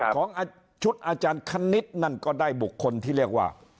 ของชุดอาจารย์คณิตนั่นก็ได้บุคคลที่เรียกว่า